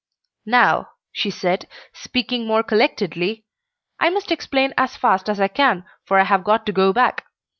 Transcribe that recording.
"Now," she said, speaking more collectedly, "I must explain as fast as I can, for I have got to go back.